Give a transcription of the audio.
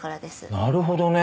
なるほどね。